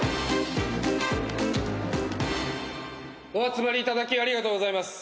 お集まりいただきありがとうございます。